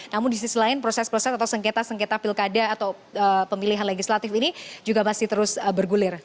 namun di sisi lain proses proses atau sengketa sengketa pilkada atau pemilihan legislatif ini juga masih terus bergulir